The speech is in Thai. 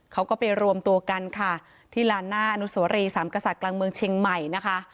เขาก็ไปรวมตัวกันค่ะที่ลานหน้าอนุสวรีสามกษัตริย์กลางเมืองเชียงใหม่นะคะ